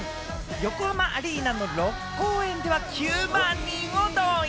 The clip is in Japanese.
横浜アリーナの６公演は９万人を動員。